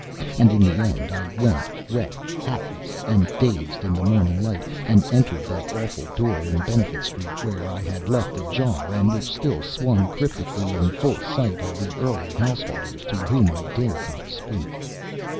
And in the end I went, wet, hatless, and dazed in the morning light, and entered that awful door in Benefit Street which I had left ajar, and which still swung cryptically in full sight of the early householders to whom I dared not speak.